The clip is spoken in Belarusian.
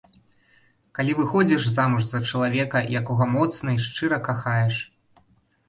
Калі выходзіш замуж за чалавека, якога моцна і шчыра кахаеш!